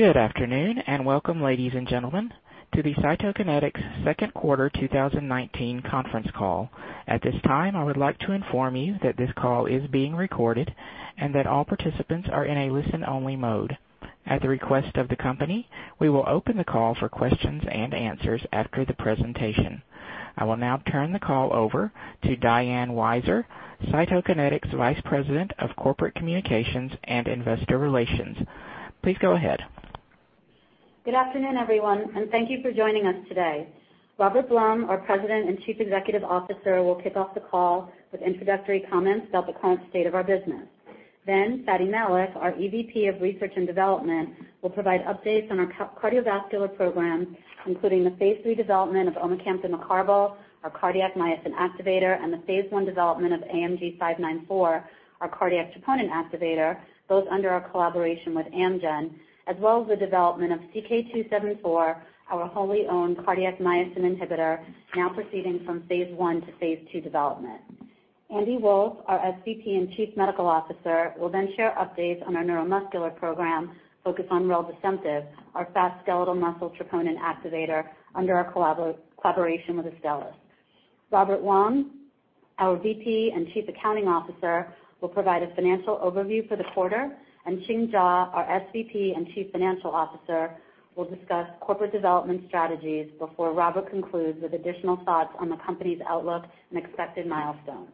Good afternoon, welcome, ladies and gentlemen, to the Cytokinetics second quarter 2019 conference call. At this time, I would like to inform you that this call is being recorded and that all participants are in a listen-only mode. At the request of the company, we will open the call for questions and answers after the presentation. I will now turn the call over to Diane Weiser, Cytokinetics Vice President of Corporate Communications and Investor Relations. Please go ahead. Good afternoon, everyone, and thank you for joining us today. Robert Blum, our President and Chief Executive Officer, will kick off the call with introductory comments about the current state of our business. Fady Malik, our EVP of Research and Development, will provide updates on our cardiovascular program, including the phase III development of omecamtiv mecarbil, our cardiac myosin activator, and the phase I development of AMG 594, our cardiac troponin activator, both under our collaboration with Amgen, as well as the development of CK-274, our wholly owned cardiac myosin inhibitor, now proceeding from phase I to phase II development. Andrew Wolff, our SVP and Chief Medical Officer, will then share updates on our neuromuscular program focused on reldesemtiv, our fast skeletal muscle troponin activator under our collaboration with Astellas. Robert Wong, our VP and Chief Accounting Officer, will provide a financial overview for the quarter, and Ching Jaw, our SVP and Chief Financial Officer, will discuss corporate development strategies before Robert concludes with additional thoughts on the company's outlook and expected milestones.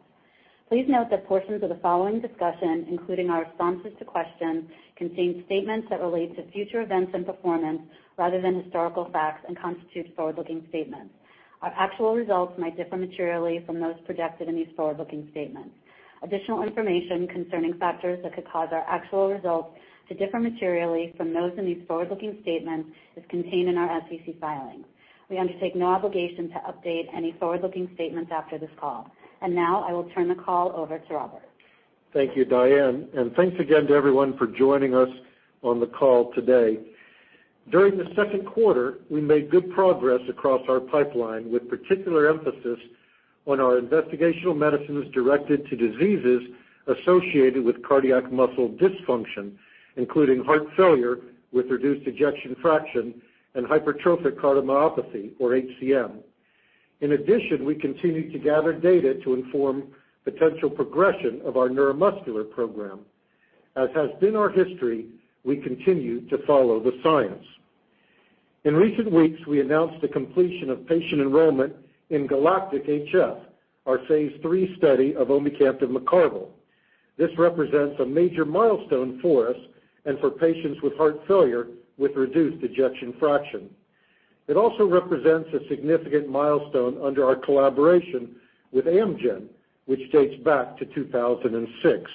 Please note that portions of the following discussion, including our responses to questions, contain statements that relate to future events and performance rather than historical facts and constitute forward-looking statements. Our actual results may differ materially from those projected in these forward-looking statements. Additional information concerning factors that could cause our actual results to differ materially from those in these forward-looking statements is contained in our SEC filings. We undertake no obligation to update any forward-looking statements after this call. Now I will turn the call over to Robert. Thank you, Diane, and thanks again to everyone for joining us on the call today. During the second quarter, we made good progress across our pipeline, with particular emphasis on our investigational medicines directed to diseases associated with cardiac muscle dysfunction, including heart failure with reduced ejection fraction and hypertrophic cardiomyopathy, or HCM. In addition, we continue to gather data to inform potential progression of our neuromuscular program. As has been our history, we continue to follow the science. In recent weeks, we announced the completion of patient enrollment in GALACTIC-HF, our phase III study of omecamtiv mecarbil. This represents a major milestone for us and for patients with heart failure with reduced ejection fraction. It also represents a significant milestone under our collaboration with Amgen, which dates back to 2006.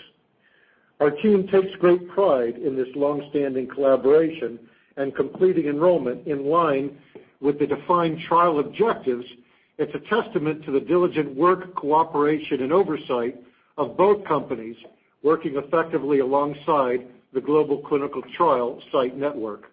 Our team takes great pride in this longstanding collaboration and completing enrollment in line with the defined trial objectives. It's a testament to the diligent work, cooperation, and oversight of both companies working effectively alongside the global clinical trial site network.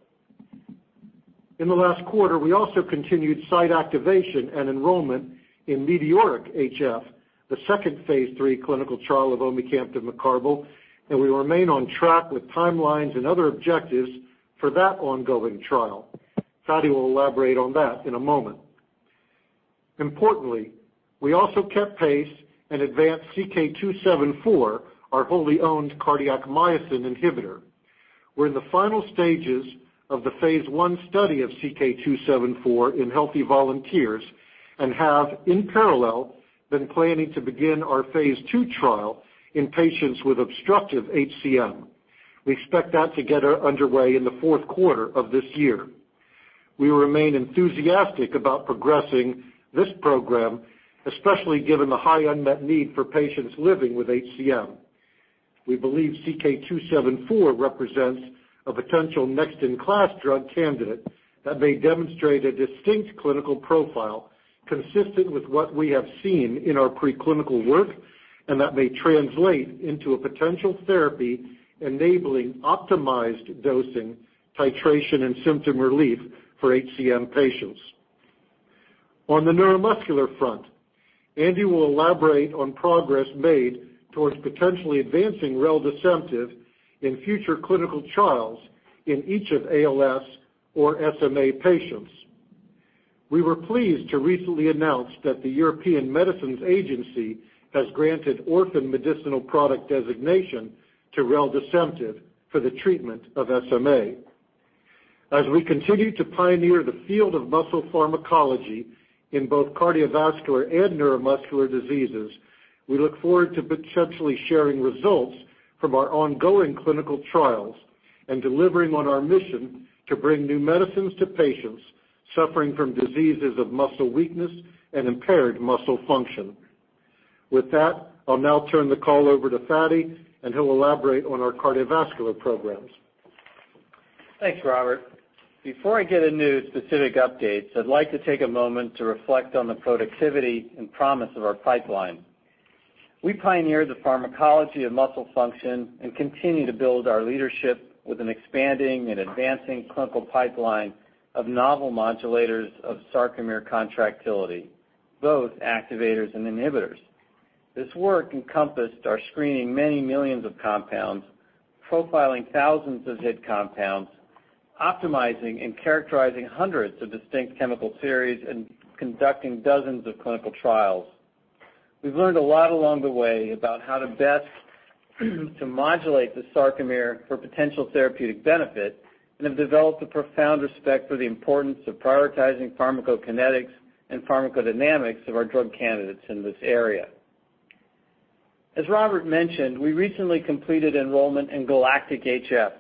In the last quarter, we also continued site activation and enrollment in METEORIC-HF, the second Phase III clinical trial of omecamtiv mecarbil. We remain on track with timelines and other objectives for that ongoing trial. Fady will elaborate on that in a moment. Importantly, we also kept pace and advanced CK-274, our wholly owned cardiac myosin inhibitor. We're in the final stages of the Phase I study of CK-274 in healthy volunteers and have, in parallel, been planning to begin our Phase II trial in patients with obstructive HCM. We expect that to get underway in the fourth quarter of this year. We remain enthusiastic about progressing this program, especially given the high unmet need for patients living with HCM. We believe CK-274 represents a potential next-in-class drug candidate that may demonstrate a distinct clinical profile consistent with what we have seen in our pre-clinical work and that may translate into a potential therapy enabling optimized dosing, titration, and symptom relief for HCM patients. On the neuromuscular front, Andy will elaborate on progress made towards potentially advancing reldesemtiv in future clinical trials in each of ALS or SMA patients. We were pleased to recently announce that the European Medicines Agency has granted orphan medicinal product designation to reldesemtiv for the treatment of SMA. As we continue to pioneer the field of muscle pharmacology in both cardiovascular and neuromuscular diseases, we look forward to potentially sharing results from our ongoing clinical trials and delivering on our mission to bring new medicines to patients suffering from diseases of muscle weakness and impaired muscle function. With that, I'll now turn the call over to Fady, and he'll elaborate on our cardiovascular programs. Thanks, Robert. Before I get into specific updates, I'd like to take a moment to reflect on the productivity and promise of our pipeline. We pioneered the pharmacology of muscle function and continue to build our leadership with an expanding and advancing clinical pipeline of novel modulators of sarcomere contractility, both activators and inhibitors. This work encompassed our screening many millions of compounds, profiling thousands of hit compounds, optimizing and characterizing hundreds of distinct chemical series, and conducting dozens of clinical trials. We've learned a lot along the way about how to best to modulate the sarcomere for potential therapeutic benefit and have developed a profound respect for the importance of prioritizing pharmacokinetics and pharmacodynamics of our drug candidates in this area. As Robert mentioned, we recently completed enrollment in GALACTIC-HF,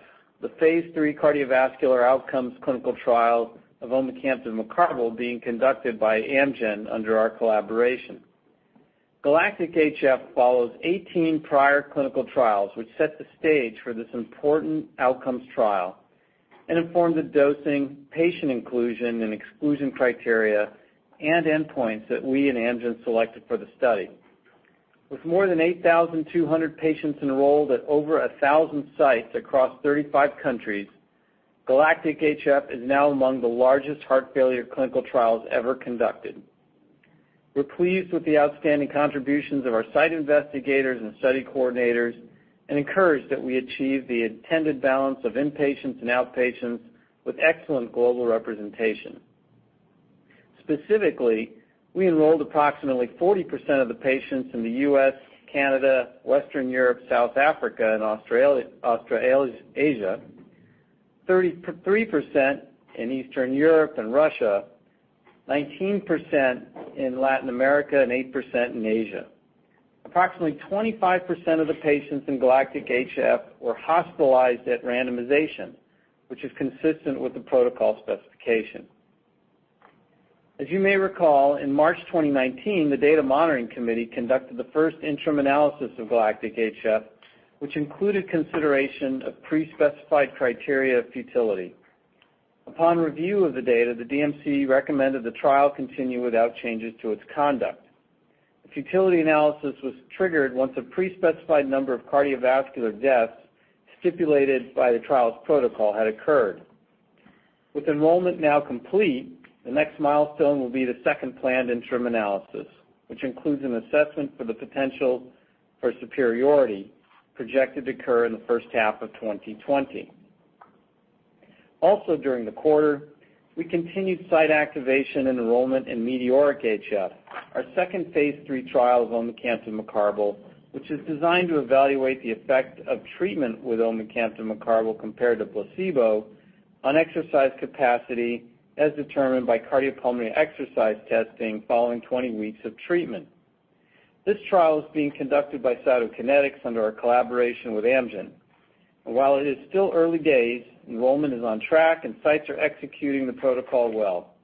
the phase III cardiovascular outcomes clinical trial of omecamtiv mecarbil being conducted by Amgen under our collaboration. GALACTIC-HF follows 18 prior clinical trials, which set the stage for this important outcomes trial and informed the dosing, patient inclusion, and exclusion criteria and endpoints that we and Amgen selected for the study. With more than 8,200 patients enrolled at over 1,000 sites across 35 countries, GALACTIC-HF is now among the largest heart failure clinical trials ever conducted. We're pleased with the outstanding contributions of our site investigators and study coordinators and encouraged that we achieve the intended balance of inpatients and outpatients with excellent global representation. Specifically, we enrolled approximately 40% of the patients in the U.S., Canada, Western Europe, South Africa, and Asia, 33% in Eastern Europe and Russia, 19% in Latin America, and 8% in Asia. Approximately 25% of the patients in GALACTIC-HF were hospitalized at randomization, which is consistent with the protocol specification. As you may recall, in March 2019, the Data Monitoring Committee conducted the first interim analysis of GALACTIC-HF, which included consideration of pre-specified criteria of futility. Upon review of the data, the DMC recommended the trial continue without changes to its conduct. The futility analysis was triggered once a pre-specified number of cardiovascular deaths stipulated by the trial's protocol had occurred. With enrollment now complete, the next milestone will be the second planned interim analysis, which includes an assessment for the potential for superiority projected to occur in the first half of 2020. Also, during the quarter, we continued site activation and enrollment in METEORIC-HF, our second Phase III trial of omecamtiv mecarbil, which is designed to evaluate the effect of treatment with omecamtiv mecarbil compared to placebo on exercise capacity, as determined by cardiopulmonary exercise testing following 20 weeks of treatment. This trial is being conducted by Cytokinetics under our collaboration with Amgen. While it is still early days, enrollment is on track, and sites are executing the protocol well.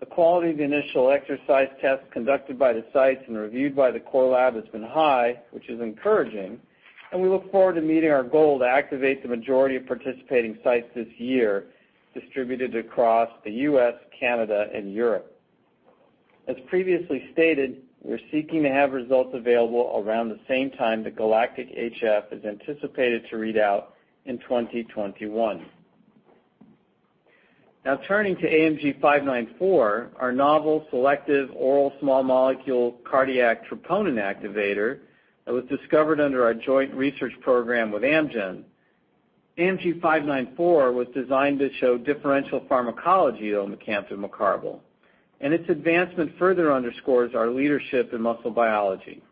The quality of the initial exercise test conducted by the sites and reviewed by the core lab has been high, which is encouraging, and we look forward to meeting our goal to activate the majority of participating sites this year, distributed across the U.S., Canada, and Europe. As previously stated, we're seeking to have results available around the same time that GALACTIC-HF is anticipated to read out in 2021. Turning to AMG 594, our novel selective oral small molecule cardiac troponin activator that was discovered under our joint research program with Amgen. AMG 594 was designed to show differential pharmacology of omecamtiv mecarbil, and its advancement further underscores our leadership in muscle biology.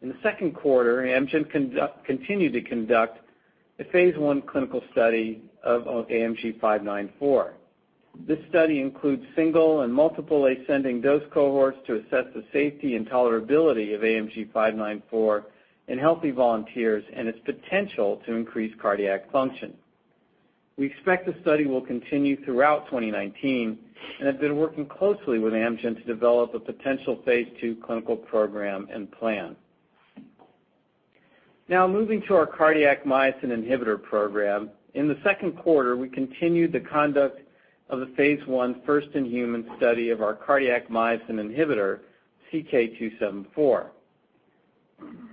In the second quarter, Amgen continued to conduct a phase I clinical study of AMG 594. This study includes single and multiple-ascending dose cohorts to assess the safety and tolerability of AMG 594 in healthy volunteers and its potential to increase cardiac function. We expect the study will continue throughout 2019 and have been working closely with Amgen to develop a potential phase II clinical program and plan. Moving to our cardiac myosin inhibitor program. In the second quarter, we continued the conduct of the phase I first-in-human study of our cardiac myosin inhibitor, CK-274.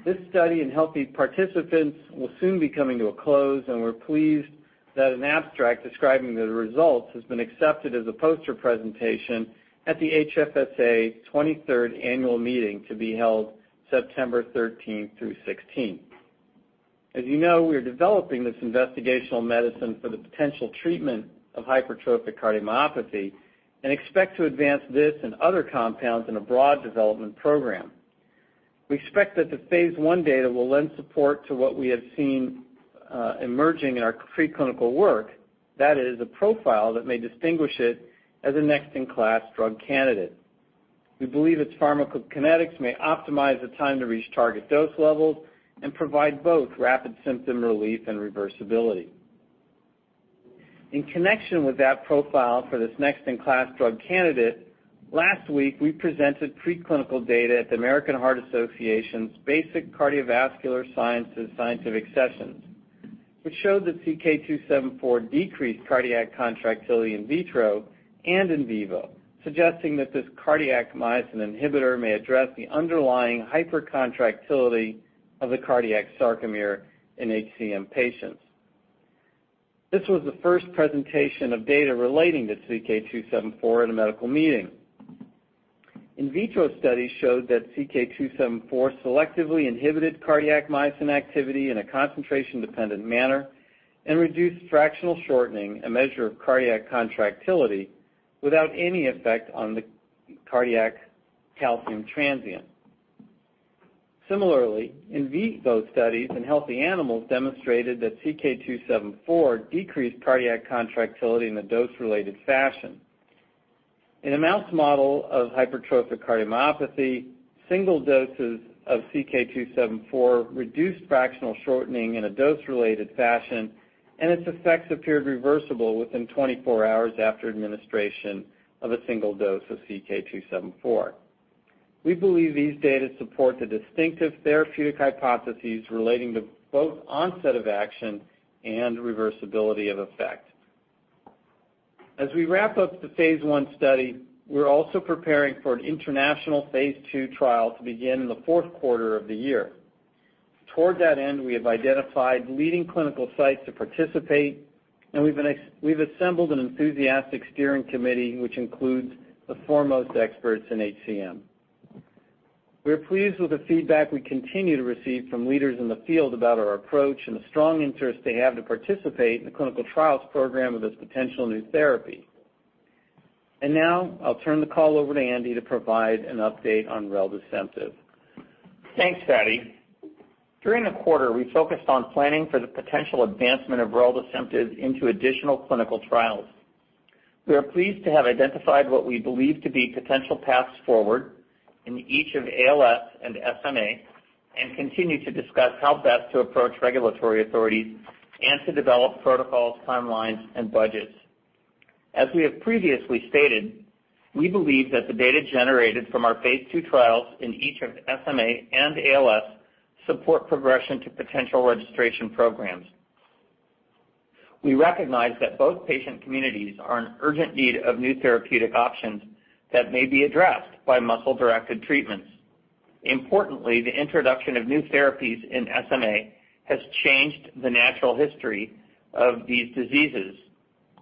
This study in healthy participants will soon be coming to a close, and we're pleased that an abstract describing the results has been accepted as a poster presentation at the HFSA 23rd Annual Meeting, to be held September 13th through 16th. As you know, we are developing this investigational medicine for the potential treatment of hypertrophic cardiomyopathy and expect to advance this and other compounds in a broad development program. We expect that the phase I data will lend support to what we have seen emerging in our preclinical work. That is, a profile that may distinguish it as a next-in-class drug candidate. We believe its pharmacokinetics may optimize the time to reach target dose levels and provide both rapid symptom relief and reversibility. In connection with that profile for this next-in-class drug candidate, last week, we presented preclinical data at the American Heart Association's Basic Cardiovascular Sciences Scientific Sessions, which showed that CK-274 decreased cardiac contractility in vitro and in vivo, suggesting that this cardiac myosin inhibitor may address the underlying hypercontractility of the cardiac sarcomere in HCM patients. This was the first presentation of data relating to CK-274 at a medical meeting. In vitro studies showed that CK-274 selectively inhibited cardiac myosin activity in a concentration-dependent manner and reduced fractional shortening, a measure of cardiac contractility, without any effect on the cardiac calcium transient. Similarly, in vitro studies in healthy animals demonstrated that CK-274 decreased cardiac contractility in a dose-related fashion. In a mouse model of hypertrophic cardiomyopathy, single doses of CK-274 reduced fractional shortening in a dose-related fashion, and its effects appeared reversible within 24 hours after administration of a single dose of CK-274. We believe these data support the distinctive therapeutic hypotheses relating to both onset of action and reversibility of effect. As we wrap up the phase I study, we're also preparing for an international phase II trial to begin in the fourth quarter of the year. Toward that end, we have identified leading clinical sites to participate, and we've assembled an enthusiastic steering committee, which includes the foremost experts in HCM. We are pleased with the feedback we continue to receive from leaders in the field about our approach and the strong interest they have to participate in the clinical trials program of this potential new therapy. Now I'll turn the call over to Andy to provide an update on reldesemtiv. Thanks, Fady. During the quarter, we focused on planning for the potential advancement of reldesemtiv into additional clinical trials. We are pleased to have identified what we believe to be potential paths forward in each of ALS and SMA and continue to discuss how best to approach regulatory authorities and to develop protocols, timelines, and budgets. As we have previously stated, we believe that the data generated from our phase II trials in each of SMA and ALS support progression to potential registration programs. We recognize that both patient communities are in urgent need of new therapeutic options that may be addressed by muscle-directed treatments. Importantly, the introduction of new therapies in SMA has changed the natural history of these diseases.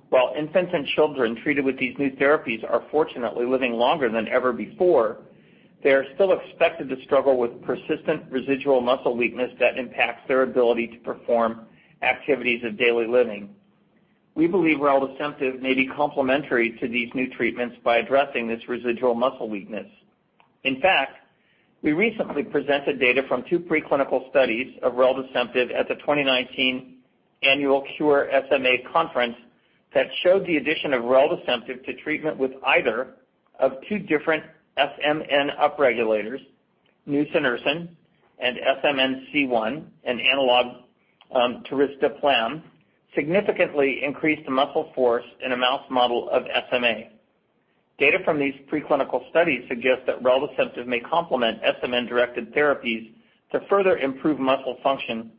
While infants and children treated with these new therapies are fortunately living longer than ever before, they are still expected to struggle with persistent residual muscle weakness that impacts their ability to perform activities of daily living. We believe reldesemtiv may be complementary to these new treatments by addressing this residual muscle weakness. In fact, we recently presented data from 2 preclinical studies of reldesemtiv at the 2019 Annual SMA Conference that showed the addition of reldesemtiv to treatment with either of 2 different SMN upregulators, nusinersen and SMN-C1, an analog to risdiplam, significantly increased muscle force in a mouse model of SMA. Data from these preclinical studies suggest that reldesemtiv may complement SMN-directed therapies to further improve muscle function,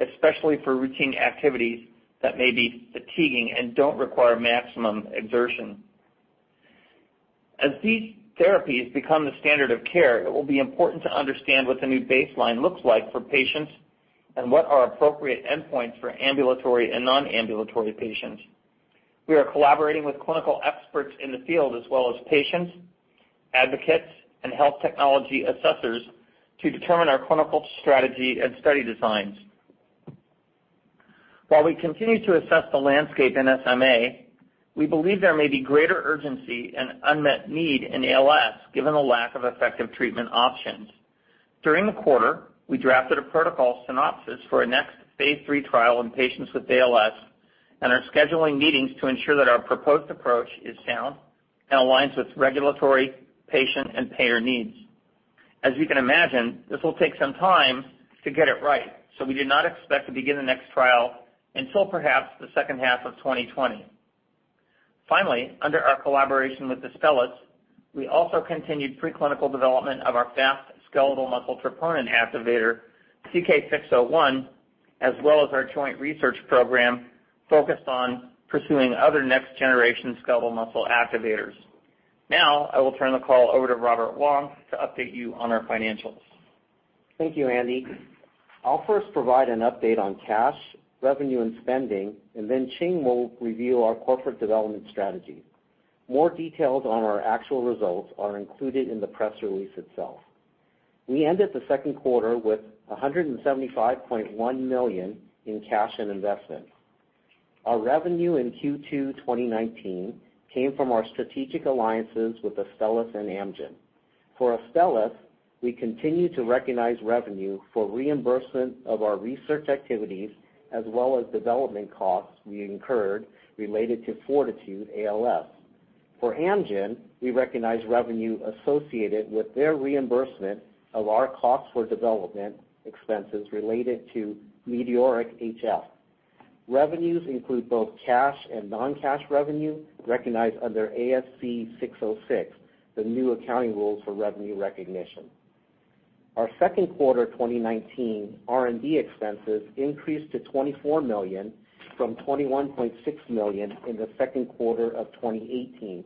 especially for routine activities that may be fatiguing and don't require maximum exertion. As these therapies become the standard of care, it will be important to understand what the new baseline looks like for patients and what are appropriate endpoints for ambulatory and non-ambulatory patients. We are collaborating with clinical experts in the field as well as patients, advocates, and health technology assessors to determine our clinical strategy and study designs. While we continue to assess the landscape in SMA, we believe there may be greater urgency and unmet need in ALS, given the lack of effective treatment options. During the quarter, we drafted a protocol synopsis for our next phase III trial in patients with ALS and are scheduling meetings to ensure that our proposed approach is sound and aligns with regulatory, patient, and payer needs. As you can imagine, this will take some time to get it right, we do not expect to begin the next trial until perhaps the second half of 2020. Finally, under our collaboration with Astellas, we also continued preclinical development of our fast skeletal muscle troponin activator, CK-601, as well as our joint research program focused on pursuing other next-generation skeletal muscle activators. I will turn the call over to Robert Wong to update you on our financials. Thank you, Andy. I'll first provide an update on cash, revenue, and spending. Ching will review our corporate development strategy. More details on our actual results are included in the press release itself. We ended the second quarter with $175.1 million in cash and investments. Our revenue in Q2 2019 came from our strategic alliances with Astellas and Amgen. For Astellas, we continue to recognize revenue for reimbursement of our research activities, as well as development costs we incurred related to FORTITUDE-ALS. For Amgen, we recognize revenue associated with their reimbursement of our costs for development expenses related to METEORIC-HF. Revenues include both cash and non-cash revenue recognized under ASC 606, the new accounting rules for revenue recognition. Our second quarter 2019 R&D expenses increased to $24 million from $21.6 million in the second quarter of 2018.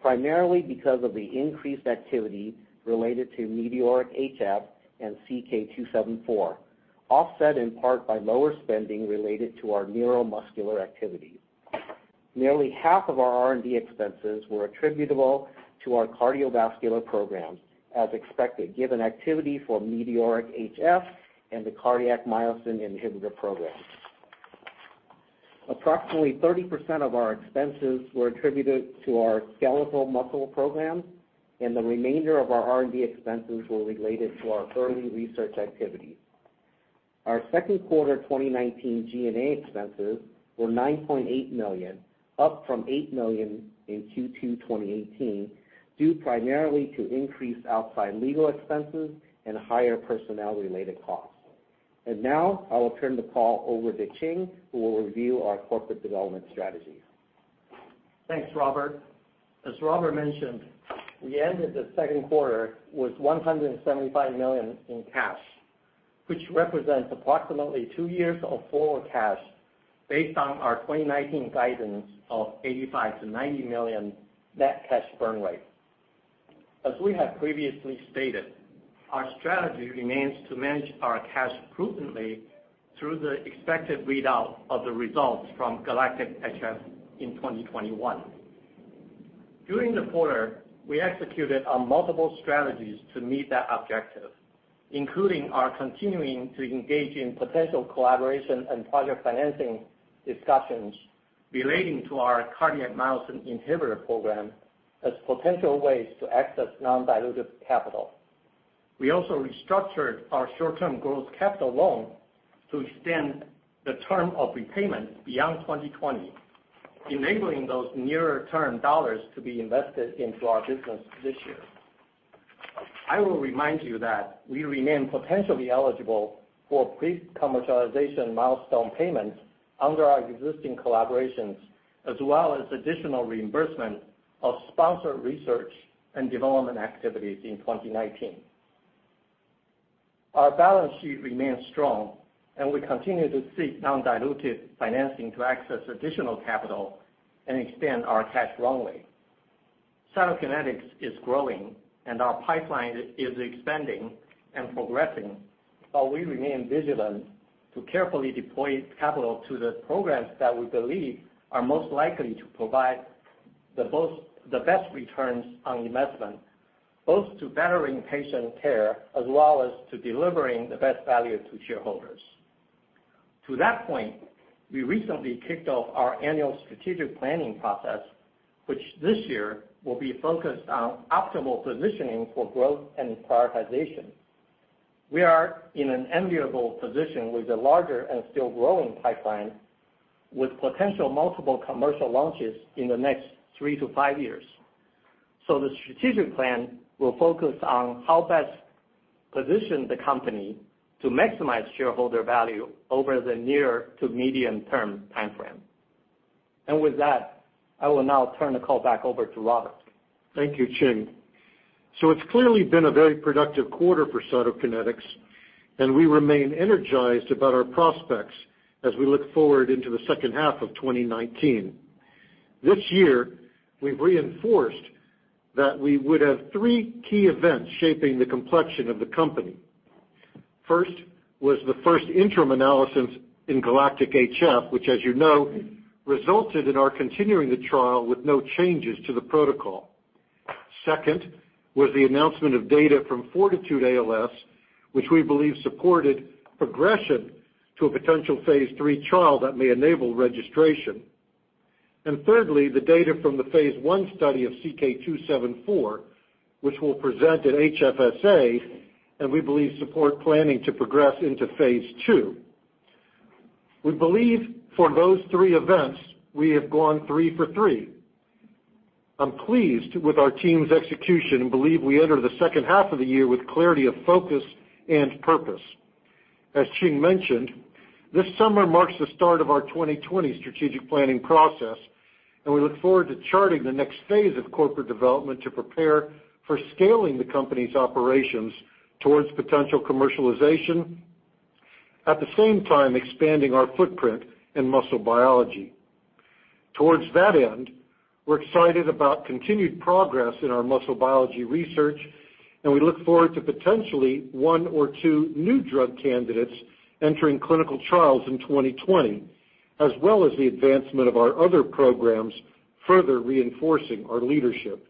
Primarily because of the increased activity related to METEORIC-HF and CK-274, offset in part by lower spending related to our neuromuscular activity. Nearly half of our R&D expenses were attributable to our cardiovascular program, as expected, given activity for METEORIC-HF and the cardiac myosin inhibitor program. Approximately 30% of our expenses were attributed to our skeletal muscle program, and the remainder of our R&D expenses were related to our early research activity. Our second quarter 2019 G&A expenses were $9.8 million, up from $8 million in Q2 2018, due primarily to increased outside legal expenses and higher personnel-related costs. Now I will turn the call over to Ching, who will review our corporate development strategies. Thanks, Robert. As Robert mentioned, we ended the second quarter with $175 million in cash, which represents approximately two years of forward cash based on our 2019 guidance of $85 million-$90 million net cash burn rate. As we have previously stated, our strategy remains to manage our cash prudently through the expected readout of the results from GALACTIC-HF in 2021. During the quarter, we executed on multiple strategies to meet that objective, including our continuing to engage in potential collaboration and project financing discussions relating to our cardiac myosin inhibitor program as potential ways to access non-dilutive capital. We also restructured our short-term growth capital loan to extend the term of repayment beyond 2020, enabling those nearer-term dollars to be invested into our business this year. I will remind you that we remain potentially eligible for pre-commercialization milestone payments under our existing collaborations, as well as additional reimbursement of sponsored research and development activities in 2019. Our balance sheet remains strong, and we continue to seek non-dilutive financing to access additional capital and extend our cash runway. Cytokinetics is growing, and our pipeline is expanding and progressing, while we remain vigilant to carefully deploy capital to the programs that we believe are most likely to provide the best returns on investment, both to bettering patient care as well as to delivering the best value to shareholders. To that point, we recently kicked off our annual strategic planning process, which this year will be focused on optimal positioning for growth and prioritization. We are in an enviable position with a larger and still growing pipeline, with potential multiple commercial launches in the next three to five years. The strategic plan will focus on how best to position the company to maximize shareholder value over the near to medium-term timeframe. With that, I will now turn the call back over to Robert. Thank you, Ching. It's clearly been a very productive quarter for Cytokinetics, and we remain energized about our prospects as we look forward into the second half of 2019. This year, we've reinforced that we would have three key events shaping the complexion of the company. First was the first interim analysis in GALACTIC-HF, which as you know, resulted in our continuing the trial with no changes to the protocol. Second was the announcement of data from FORTITUDE-ALS, which we believe supported progression to a potential phase III trial that may enable registration. Thirdly, the data from the phase I study of CK-274, which we'll present at HFSA, and we believe support planning to progress into phase II. We believe for those three events, we have gone three for three. I'm pleased with our team's execution and believe we enter the second half of the year with clarity of focus and purpose. As Ching mentioned, this summer marks the start of our 2020 strategic planning process, and we look forward to charting the next phase of corporate development to prepare for scaling the company's operations towards potential commercialization, at the same time expanding our footprint in muscle biology. Towards that end, we're excited about continued progress in our muscle biology research, and we look forward to potentially one or two new drug candidates entering clinical trials in 2020, as well as the advancement of our other programs, further reinforcing our leadership.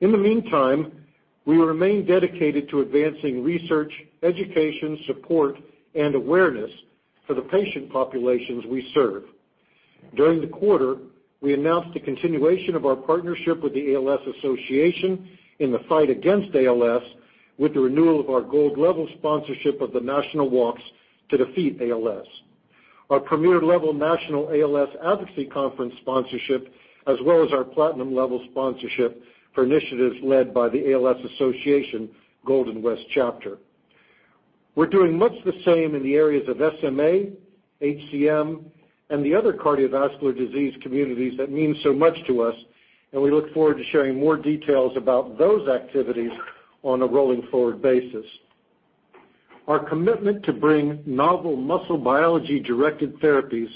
In the meantime, we remain dedicated to advancing research, education, support, and awareness for the patient populations we serve. During the quarter, we announced the continuation of our partnership with The ALS Association in the fight against ALS, with the renewal of our gold-level sponsorship of the national walks to defeat ALS, our premier-level national ALS advocacy conference sponsorship, as well as our platinum-level sponsorship for initiatives led by the ALS Association Golden West Chapter. We're doing much the same in the areas of SMA, HCM, and the other cardiovascular disease communities that mean so much to us, and we look forward to sharing more details about those activities on a rolling forward basis. Our commitment to bring novel muscle biology-directed therapies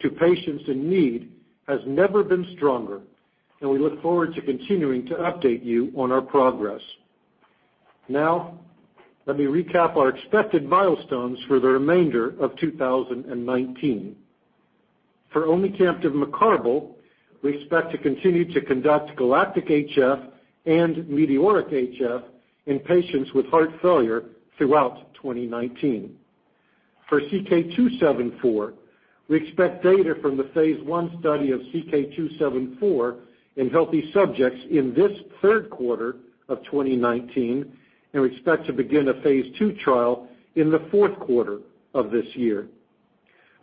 to patients in need has never been stronger, and we look forward to continuing to update you on our progress. Now, let me recap our expected milestones for the remainder of 2019. For omecamtiv mecarbil, we expect to continue to conduct GALACTIC-HF and METEORIC-HF in patients with heart failure throughout 2019. For CK-274, we expect data from the phase I study of CK-274 in healthy subjects in this third quarter of 2019, and we expect to begin a phase II trial in the fourth quarter of this year.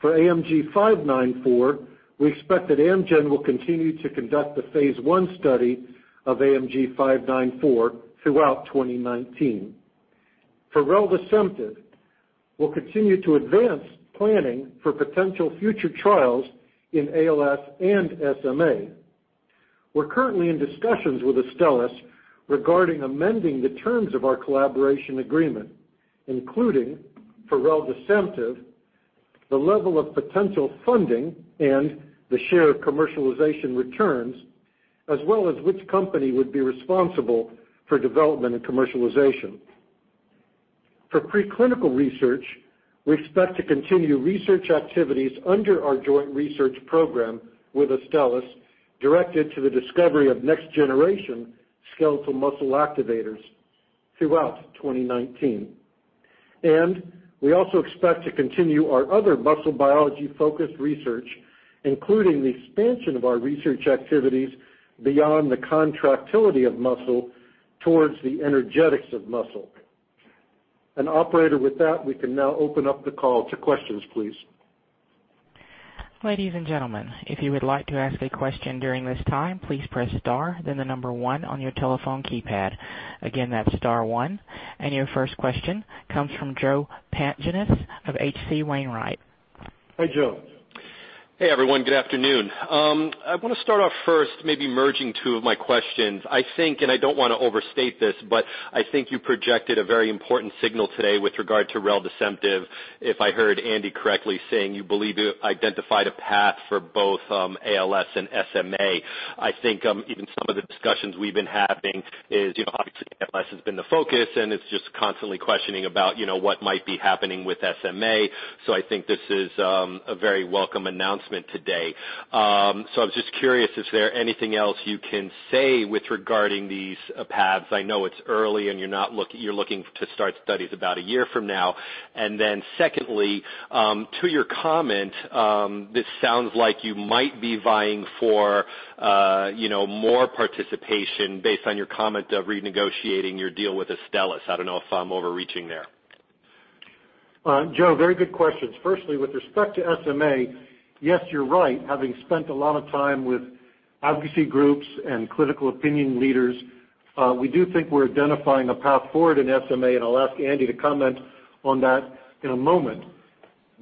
For AMG 594, we expect that Amgen will continue to conduct the phase I study of AMG 594 throughout 2019. For reldesemtiv, we'll continue to advance planning for potential future trials in ALS and SMA. We're currently in discussions with Astellas regarding amending the terms of our collaboration agreement, including for reldesemtiv, the level of potential funding and the share of commercialization returns, as well as which company would be responsible for development and commercialization. For pre-clinical research, we expect to continue research activities under our joint research program with Astellas, directed to the discovery of next-generation skeletal muscle activators throughout 2019. We also expect to continue our other muscle biology-focused research, including the expansion of our research activities beyond the contractility of muscle towards the energetics of muscle. Operator, with that, we can now open up the call to questions, please. Ladies and gentlemen, if you would like to ask a question during this time, please press star, then the number one on your telephone keypad. Again, that's star one. Your first question comes from Joe Pantginis of H.C. Wainwright. Hi, Joe. Hey, everyone. Good afternoon. I want to start off first, maybe merging two of my questions. I think, and I don't want to overstate this, but I think you projected a very important signal today with regard to reldesemtiv. If I heard Andy correctly saying you believe you identified a path for both ALS and SMA. I think even some of the discussions we've been having is obviously ALS has been the focus, and it's just constantly questioning about what might be happening with SMA. I think this is a very welcome announcement today. I was just curious if there anything else you can say with regarding these paths. I know it's early and you're looking to start studies about a year from now. secondly, to your comment, this sounds like you might be vying for more participation based on your comment of renegotiating your deal with Astellas. I don't know if I'm overreaching there. Joe, very good questions. Firstly, with respect to SMA, yes, you're right. Having spent a lot of time with advocacy groups and clinical opinion leaders, we do think we're identifying a path forward in SMA, and I'll ask Andy to comment on that in a moment.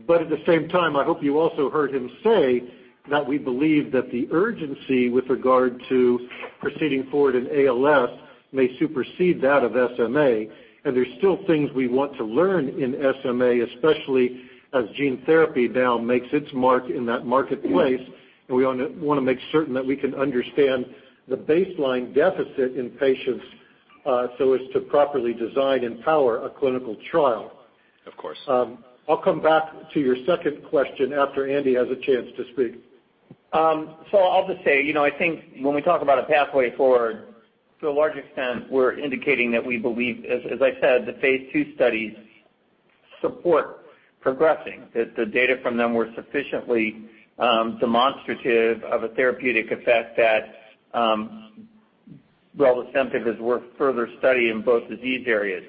At the same time, I hope you also heard him say that we believe that the urgency with regard to proceeding forward in ALS may supersede that of SMA, and there's still things we want to learn in SMA, especially as gene therapy now makes its mark in that marketplace. We want to make certain that we can understand the baseline deficit in patients so as to properly design and power a clinical trial. Of course. I'll come back to your second question after Andy has a chance to speak. I'll just say, I think when we talk about a pathway forward, to a large extent, we're indicating that we believe, as I said, the phase II studies support progressing. That the data from them were sufficiently demonstrative of a therapeutic effect that reldesemtiv is worth further study in both disease areas.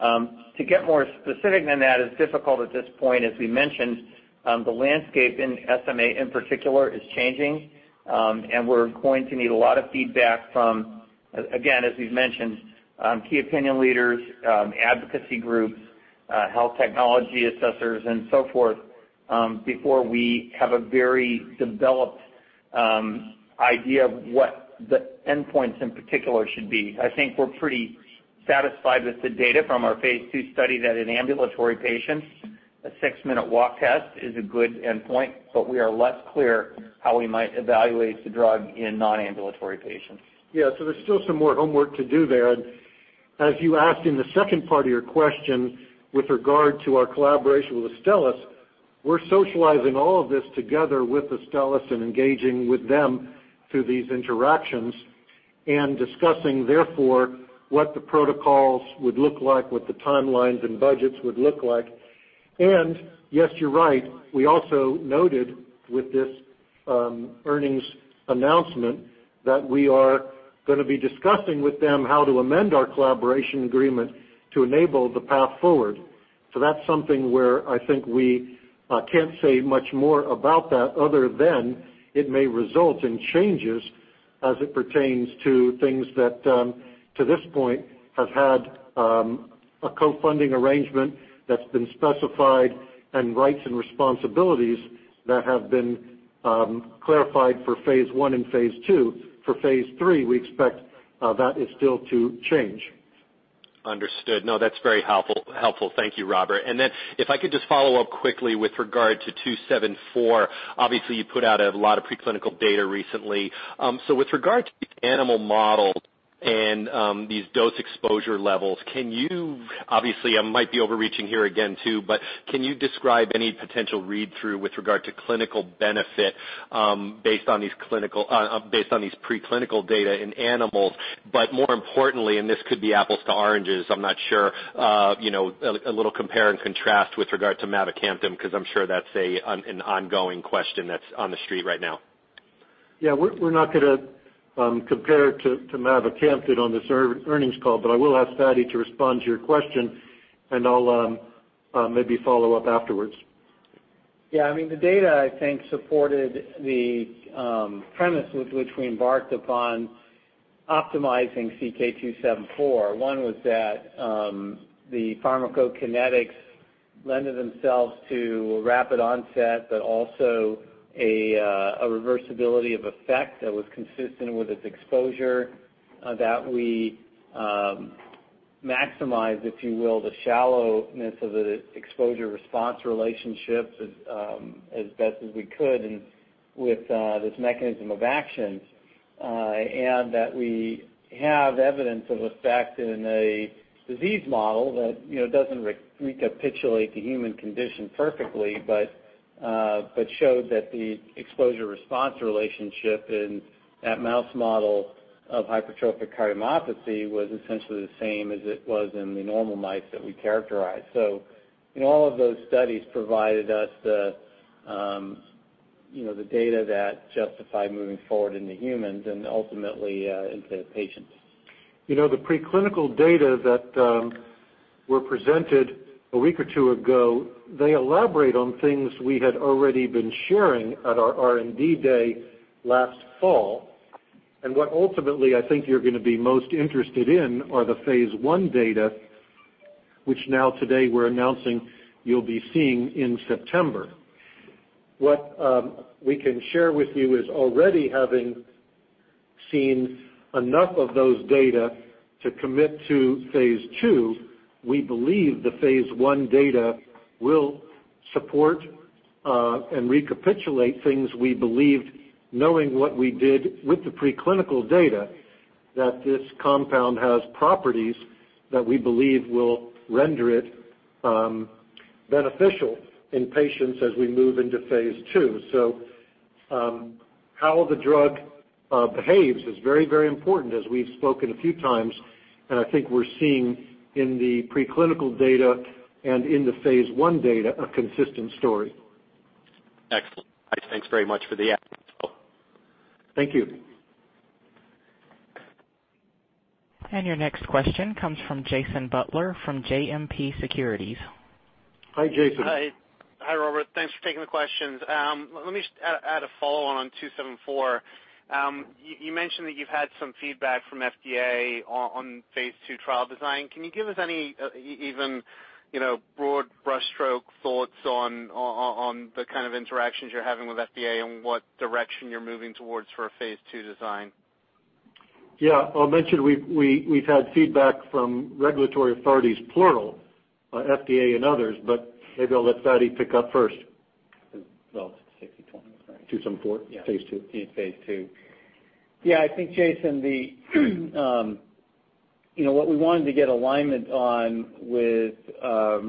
To get more specific than that is difficult at this point. As we mentioned, the landscape in SMA in particular is changing, and we're going to need a lot of feedback from, again, as we've mentioned, key opinion leaders, advocacy groups, health technology assessors, and so forth, before we have a very developed idea of what the endpoints in particular should be. I think we're pretty satisfied with the data from our phase II study that in ambulatory patients, a six-minute walk test is a good endpoint, but we are less clear how we might evaluate the drug in non-ambulatory patients. There's still some more homework to do there. As you asked in the second part of your question with regard to our collaboration with Astellas, we're socializing all of this together with Astellas and engaging with them through these interactions, and discussing therefore what the protocols would look like, what the timelines and budgets would look like. Yes, you're right. We also noted with this earnings announcement that we are going to be discussing with them how to amend our collaboration agreement to enable the path forward. That's something where I think we can't say much more about that other than it may result in changes as it pertains to things that to this point have had a co-funding arrangement that's been specified and rights and responsibilities that have been clarified for phase I and phase II. For phase III, That is still to change. Understood. No, that's very helpful. Thank you, Robert. If I could just follow up quickly with regard to 274. Obviously, you put out a lot of preclinical data recently. With regard to the animal model and these dose exposure levels, obviously, I might be overreaching here again too, but can you describe any potential read-through with regard to clinical benefit based on these preclinical data in animals, but more importantly, and this could be apples to oranges, I'm not sure, a little compare and contrast with regard to mavacamten because I'm sure that's an ongoing question that's on the street right now. Yeah. We're not going to compare to mavacamten on this earnings call, but I will ask Fady to respond to your question, and I'll maybe follow up afterwards. The data, I think, supported the premise with which we embarked upon optimizing CK-274. One was that the pharmacokinetics lended themselves to rapid onset, but also a reversibility of effect that was consistent with its exposure that we maximize, if you will, the shallowness of the exposure-response relationship as best as we could and with this mechanism of action. We have evidence of effect in a disease model that doesn't recapitulate the human condition perfectly, but showed that the exposure-response relationship in that mouse model of hypertrophic cardiomyopathy was essentially the same as it was in the normal mice that we characterized. All of those studies provided us the data that justified moving forward into humans and ultimately into patients. The preclinical data that were presented a week or two ago, they elaborate on things we had already been sharing at our R&D day last fall. What ultimately I think you're going to be most interested in are the phase I data, which now today we're announcing you'll be seeing in September. What we can share with you is already having seen enough of those data to commit to phase II. We believe the phase I data will support, and recapitulate things we believed knowing what we did with the preclinical data, that this compound has properties that we believe will render it beneficial in patients as we move into phase II. How the drug behaves is very important as we've spoken a few times, and I think we're seeing in the preclinical data and in the phase I data a consistent story. Excellent. Thanks very much for the. Thank you. Your next question comes from Jason Butler from JMP Securities. Hi, Jason. Hi. Hi, Robert. Thanks for taking the questions. Let me just add a follow on 274. You mentioned that you've had some feedback from FDA on phase II trial design. Can you give us any even broad brushstroke thoughts on the kind of interactions you're having with FDA and what direction you're moving towards for a phase II design? Yeah. I'll mention we've had feedback from regulatory authorities plural, FDA and others, but maybe I'll let Fady pick up first. Well, it's 60/20, right? 274? Yeah. phase II? In Phase II. Yeah, I think, Jason, what we wanted to get alignment on with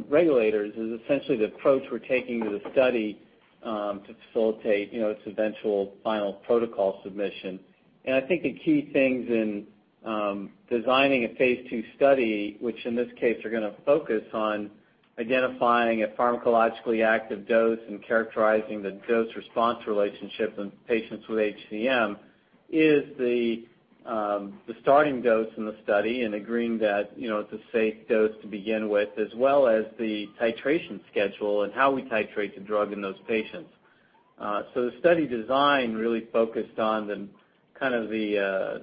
regulators is essentially the approach we're taking to the study to facilitate its eventual final protocol submission. I think the key things in designing a Phase II study, which in this case are going to focus on identifying a pharmacologically active dose and characterizing the dose-response relationship in patients with HCM, is the starting dose in the study and agreeing that it's a safe dose to begin with, as well as the titration schedule and how we titrate the drug in those patients. The study design really focused on the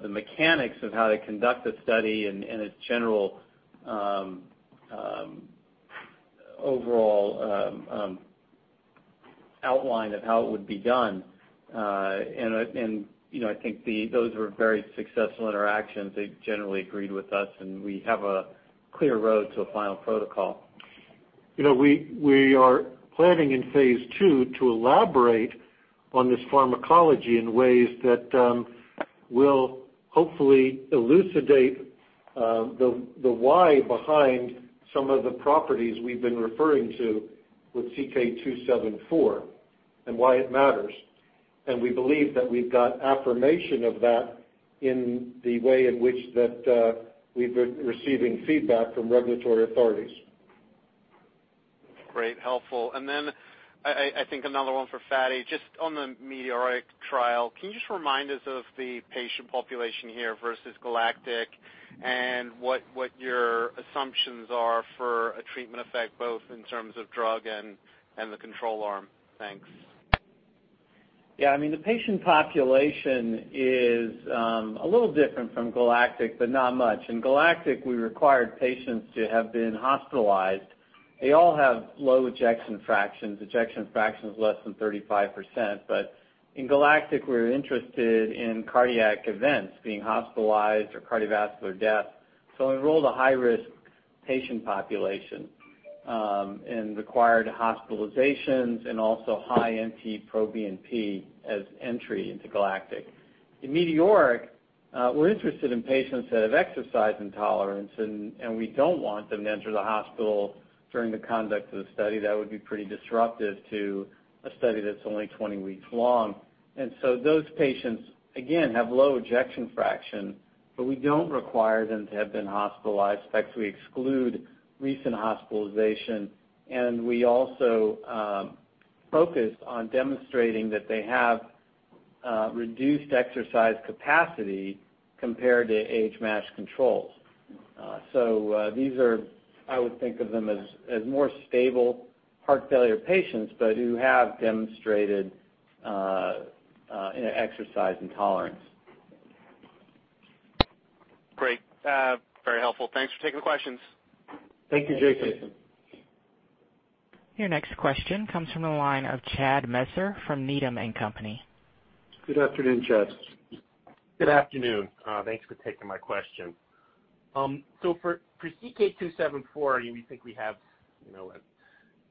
mechanics of how to conduct a study and its general overall outline of how it would be done. I think those were very successful interactions. They generally agreed with us, and we have a clear road to a final protocol. We are planning in phase II to elaborate on this pharmacology in ways that will hopefully elucidate the why behind some of the properties we've been referring to with CK-274 and why it matters. We believe that we've got affirmation of that in the way in which that we've been receiving feedback from regulatory authorities. Great. Helpful. Then I think another one for Fady. Just on the METEORIC trial, can you just remind us of the patient population here versus GALACTIC and what your assumptions are for a treatment effect, both in terms of drug and the control arm? Thanks. Yeah. The patient population is a little different from GALACTIC, not much. In GALACTIC, we required patients to have been hospitalized. They all have low ejection fractions. Ejection fraction is less than 35%, in GALACTIC, we were interested in cardiac events, being hospitalized or cardiovascular death. We enrolled a high-risk patient population and required hospitalizations and also high NT-proBNP as entry into GALACTIC. In METEORIC, we're interested in patients that have exercise intolerance, we don't want them to enter the hospital during the conduct of the study. That would be pretty disruptive to a study that's only 20 weeks long. Those patients, again, have low ejection fraction, we don't require them to have been hospitalized. In fact, we exclude recent hospitalization, we also focus on demonstrating that they have reduced exercise capacity compared to age-matched controls. These are, I would think of them as more stable heart failure patients, but who have demonstrated exercise intolerance. Great. Very helpful. Thanks for taking the questions. Thank you, Jason. Your next question comes from the line of Chad Messer from Needham & Company. Good afternoon, Chad. Good afternoon. Thanks for taking my question. For CK-274, we think we have a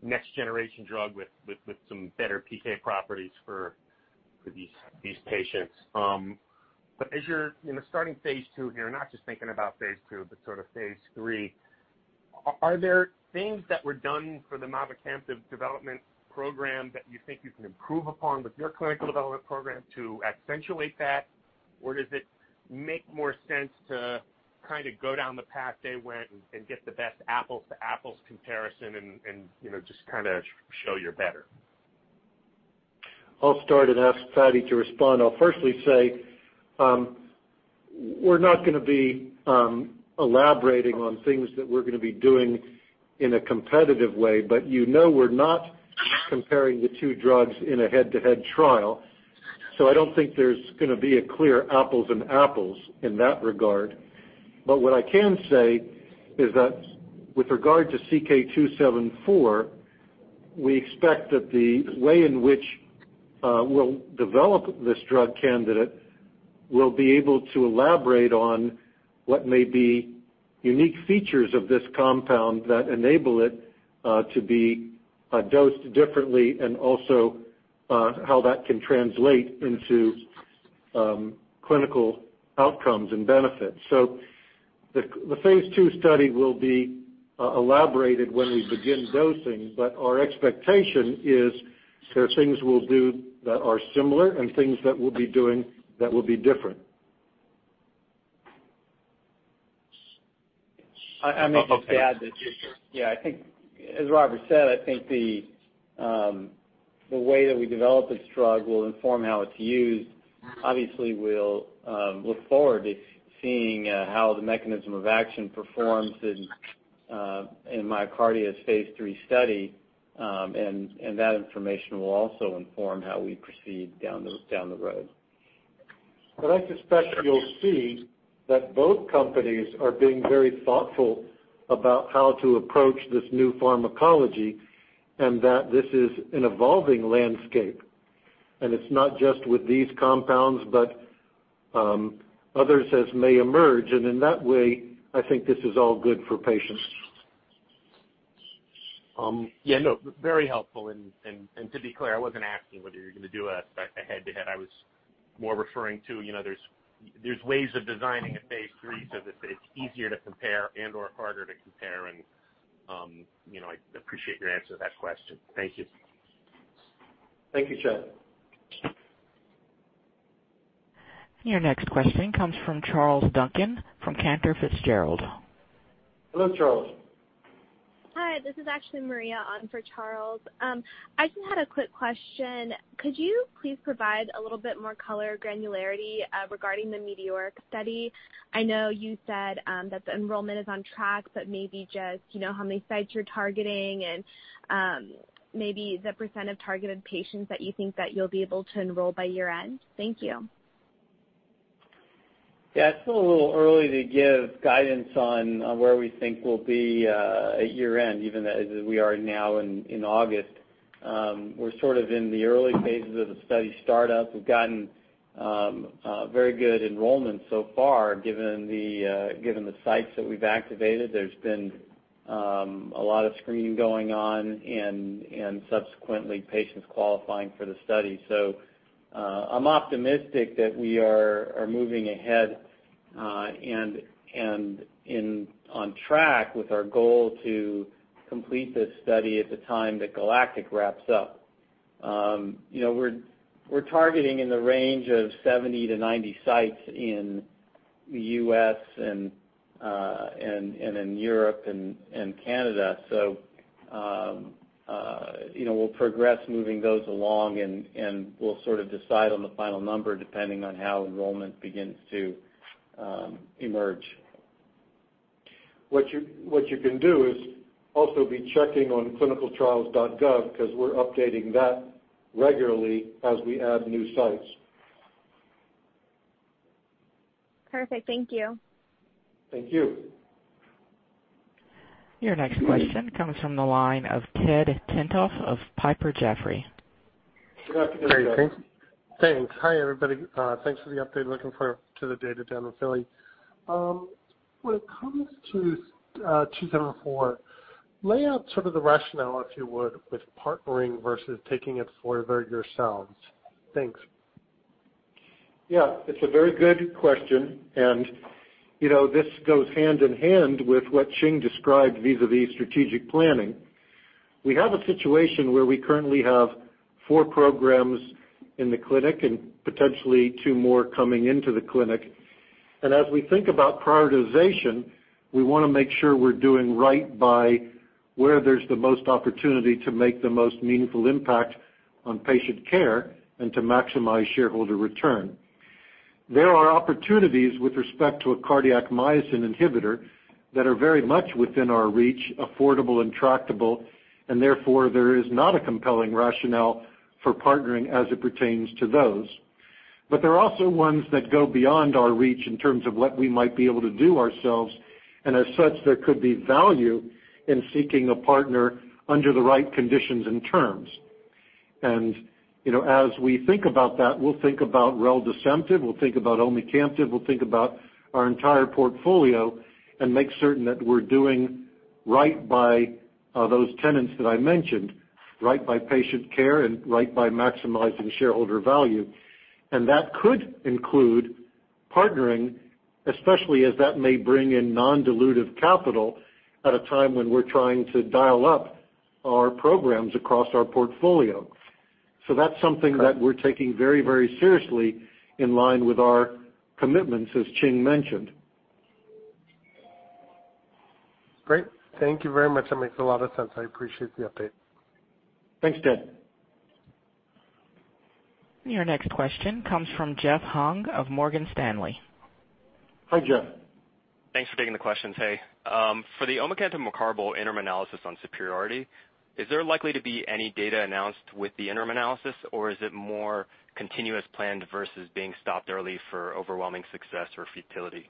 next-generation drug with some better PK properties for these patients. As you're starting phase II here, not just thinking about phase II, but sort of phase III, are there things that were done for the mavacamten development program that you think you can improve upon with your clinical development program to accentuate that? Does it make more sense to go down the path they went and get the best apples-to-apples comparison and just show you're better? I'll start and ask Fady to respond. I'll firstly say, we're not going to be elaborating on things that we're going to be doing in a competitive way. You know we're not comparing the two drugs in a head-to-head trial. I don't think there's going to be a clear apples and apples in that regard. What I can say is that with regard to CK-274, we expect that the way in which we'll develop this drug candidate will be able to elaborate on what may be unique features of this compound that enable it to be dosed differently and also how that can translate into clinical outcomes and benefits. The phase II study will be elaborated when we begin dosing, but our expectation is there are things we'll do that are similar and things that we'll be doing that will be different. I may just add that- Okay. Sure. Yeah, I think, as Robert said, I think the way that we develop this drug will inform how it's used. We'll look forward to seeing how the mechanism of action performs in MyoKardia's phase III study, and that information will also inform how we proceed down the road. I suspect you'll see that both companies are being very thoughtful about how to approach this new pharmacology and that this is an evolving landscape. It's not just with these compounds, but others as may emerge. In that way, I think this is all good for patients. Yeah, no, very helpful. To be clear, I wasn't asking whether you're going to do a head-to-head. I was more referring to there's ways of designing a phase III so that it's easier to compare and/or harder to compare. I appreciate your answer to that question. Thank you. Thank you, Chad. Your next question comes from Charles Duncan from Cantor Fitzgerald. Hello, Charles. Hi, this is actually Maria on for Charles. I just had a quick question. Could you please provide a little bit more color granularity regarding the METEORIC-HF study? I know you said that the enrollment is on track, but maybe just how many sites you're targeting and maybe the % of targeted patients that you think that you'll be able to enroll by year-end? Thank you. Yeah. It's still a little early to give guidance on where we think we'll be at year-end, even as we are now in August. We're sort of in the early phases of the study startup. We've gotten very good enrollment so far, given the sites that we've activated. There's been a lot of screening going on and subsequently patients qualifying for the study. I'm optimistic that we are moving ahead and on track with our goal to complete this study at the time that GALACTIC wraps up. We're targeting in the range of 70-90 sites in the U.S. and in Europe and Canada. We'll progress moving those along, and we'll sort of decide on the final number depending on how enrollment begins to emerge. What you can do is also be checking on clinicaltrials.gov because we're updating that regularly as we add new sites. Perfect. Thank you. Thank you. Your next question comes from the line of Ted Tenthoff of Piper Jaffray. Good afternoon, Ted. Thanks. Hi, everybody. Thanks for the update. Looking forward to the data down the Philly. When it comes to CK-274, lay out sort of the rationale, if you would, with partnering versus taking it further yourselves. Thanks. Yeah, it's a very good question, and this goes hand in hand with what Ching described vis-a-vis strategic planning. We have a situation where we currently have four programs in the clinic and potentially two more coming into the clinic. As we think about prioritization, we want to make sure we're doing right by where there's the most opportunity to make the most meaningful impact on patient care and to maximize shareholder return. There are opportunities with respect to a cardiac myosin inhibitor that are very much within our reach, affordable, and tractable, and therefore, there is not a compelling rationale for partnering as it pertains to those. There are also ones that go beyond our reach in terms of what we might be able to do ourselves, and as such, there could be value in seeking a partner under the right conditions and terms. As we think about that, we'll think about reldesemtiv, we'll think about omecamtiv mecarbil, we'll think about our entire portfolio and make certain that we're doing right by those tenets that I mentioned, right by patient care and right by maximizing shareholder value. That could include partnering, especially as that may bring in non-dilutive capital at a time when we're trying to dial up our programs across our portfolio. That's something that we're taking very seriously in line with our commitments, as Ching mentioned. Great. Thank you very much. That makes a lot of sense. I appreciate the update. Thanks, Ted. Your next question comes from Jeff Hung of Morgan Stanley. Hi, Jeff. Thanks for taking the questions. Hey. For the omecamtiv mecarbil interim analysis on superiority, is there likely to be any data announced with the interim analysis, or is it more continuous planned versus being stopped early for overwhelming success or futility?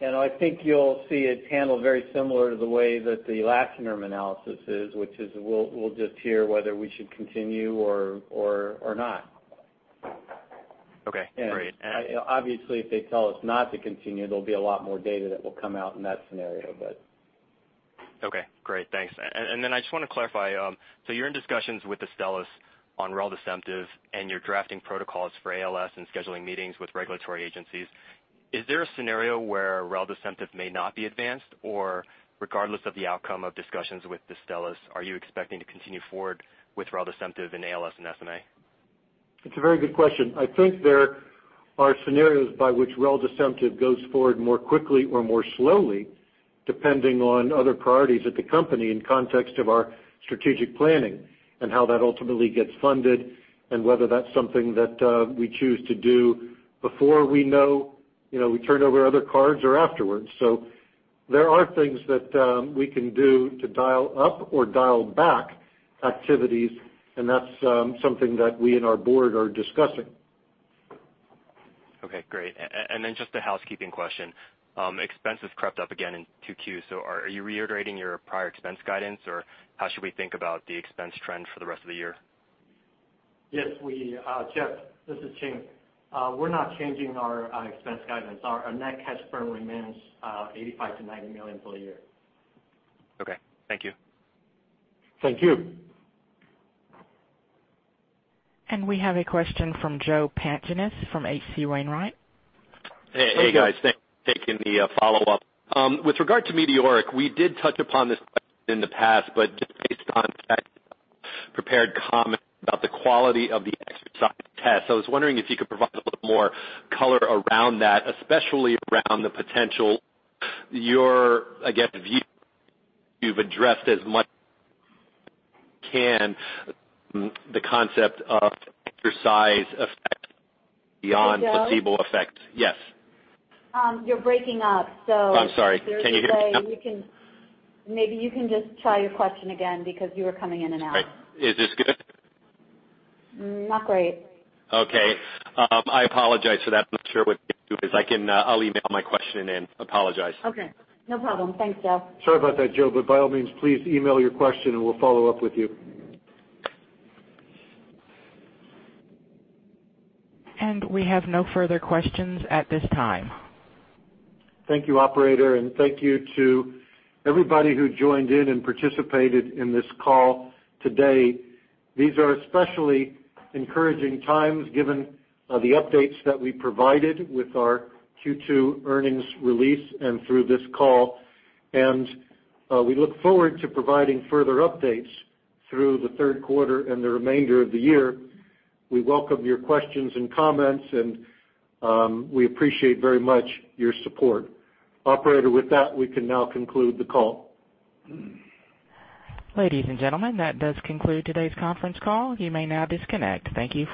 I think you'll see it handled very similar to the way that the last interim analysis is, which is we'll just hear whether we should continue or not. Okay, great. Obviously, if they tell us not to continue, there'll be a lot more data that will come out in that scenario. Okay, great. Thanks. I just want to clarify, you're in discussions with Astellas on reldesemtiv, and you're drafting protocols for ALS and scheduling meetings with regulatory agencies. Is there a scenario where reldesemtiv may not be advanced? Regardless of the outcome of discussions with Astellas, are you expecting to continue forward with reldesemtiv in ALS and SMA? It's a very good question. I think there are scenarios by which reldesemtiv goes forward more quickly or more slowly, depending on other priorities at the company in context of our strategic planning and how that ultimately gets funded, and whether that's something that we choose to do before we know we turned over other cards or afterwards. There are things that we can do to dial up or dial back activities, and that's something that we and our board are discussing. Okay, great. Just a housekeeping question. Expenses crept up again in Q2. Are you reiterating your prior expense guidance, or how should we think about the expense trend for the rest of the year? Yes, Jeff, this is Ching. We're not changing our expense guidance. Our net cash burn remains $85 million-$90 million for the year. Okay. Thank you. Thank you. We have a question from Joseph Pantginis from H.C. Wainwright. Hey, Joe. Hey, guys. Thanks. Taking the follow-up. With regard to Meteoric, we did touch upon this question in the past, but just based on prepared comments about the quality of the exercise test. I was wondering if you could provide a little more color around that, especially around the potential your, again, view you've addressed as much can the concept of exercise effect beyond placebo effect? Hey, Joe? Yes. You're breaking up. I'm sorry. Can you hear me now? Maybe you can just try your question again because you were coming in and out. Great. Is this good? Not great. Okay. I apologize for that. I'm not sure what to do because I'll email my question in. Apologize. Okay. No problem. Thanks, Joe. Sorry about that, Joe, but by all means, please email your question, and we'll follow up with you. We have no further questions at this time. Thank you, operator, and thank you to everybody who joined in and participated in this call today. These are especially encouraging times given the updates that we provided with our Q2 earnings release and through this call. We look forward to providing further updates through the third quarter and the remainder of the year. We welcome your questions and comments, and we appreciate very much your support. Operator, with that, we can now conclude the call. Ladies and gentlemen, that does conclude today's conference call. You may now disconnect. Thank you.